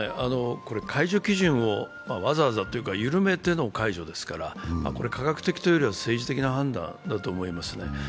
解除基準をわざわざというか、緩めての解除ですから、これは科学的というよりは政治的な判断だと思いますね。